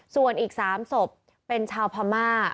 ส่วนอีก๓ศพเป็นชาวพม่า